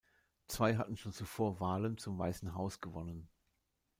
Zwei hatten schon zuvor Wahlen zum Weißen Haus gewonnen.